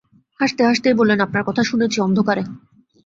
হাসতে-হাসতেই বললেন, আপনার কথা শুনেছি অন্ধকারে।